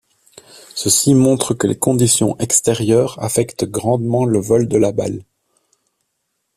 Ceci montre que les conditions extérieures affectent grandement le vol de la balle.